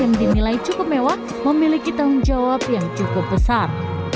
yang dinilai cukup mewah memiliki tanggung jawab yang cukup besar